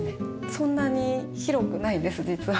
そんなに広くないです実は。